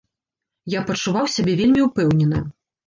Я пачуваў сябе вельмі ўпэўнена.